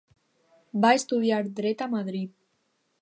Va estudiar dret a Madrid.